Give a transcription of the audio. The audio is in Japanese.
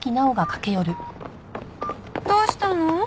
どうしたの？